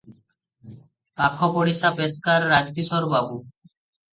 ପାଖ ପଡ଼ିଶା ପେସ୍କାର ରାଜକିଶୋର ବାବୁ ।